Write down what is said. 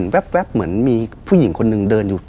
แป๊บเหมือนมีผู้หญิงคนหนึ่งเดินอยู่